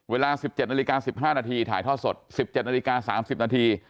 เวลาสิบเจ็ดนาฬิกาสิบห้านาทีถ่ายทอดสดสิบเจ็ดนาฬิกาสามสิบนาที